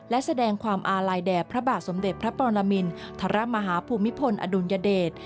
และแสดงความอาไหลแดบพระบาทสมเด็จพระปรมรัศน์ละมินทรมาฮภูมิพลอดุญเดต